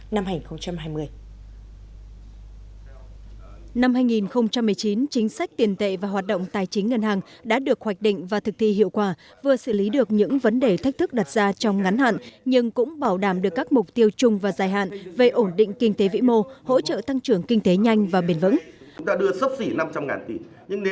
năm hai nghìn một mươi chín chính sách tiền tệ và hoạt động tài chính ngân hàng đã được hoạch định và thực thi hiệu quả vừa xử lý được những vấn đề thách thức đặt ra trong ngắn hạn nhưng cũng bảo đảm được các mục tiêu chung và dài hạn về ổn định kinh tế vĩ mô hỗ trợ tăng trưởng kinh tế nhanh và bền vững